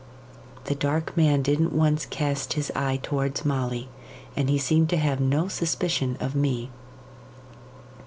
'The Dark Man didn't once cast his eye towards Molly, and he seemed to have no suspicion of me.